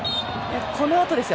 このあとですよ。